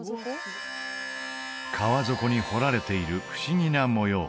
川底に彫られている不思議な模様